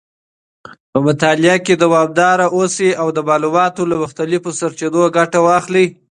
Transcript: په مطالعه کې دوامداره اوسئ او د معلوماتو له مختلفو سرچینو ګټه واخلئ.